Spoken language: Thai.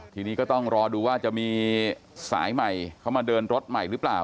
ทีนี้ก็ต้องรอดูว่าจะมีสายใหม่เข้ามาเดินรถใหม่หรือเปล่า